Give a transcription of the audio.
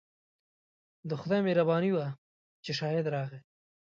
د خدای مهرباني وه چې شاهد راغی.